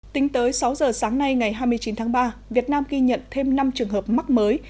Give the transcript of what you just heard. tính tới sáu giờ sáng nay ngày hai mươi chín tháng ba việt nam ghi nhận thêm năm trường hợp mắc mới